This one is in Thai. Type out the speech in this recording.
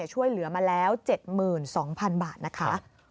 ช่วยเหลือมาแล้ว๗๒๐๐๐บาทนะคะ